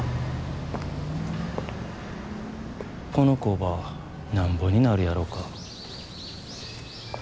この工場なんぼになるやろか。